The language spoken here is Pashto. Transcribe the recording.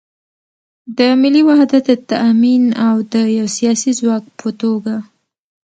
د ملي وحدت د تامین او د یو سیاسي ځواک په توګه